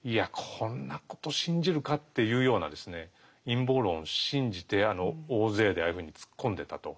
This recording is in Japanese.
こんなこと信じるか？っていうような陰謀論を信じて大勢でああいうふうに突っ込んでったと。